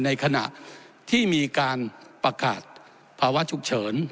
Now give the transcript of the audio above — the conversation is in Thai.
ในขณะที่มีการประกาศภาวะฉุกเฉิน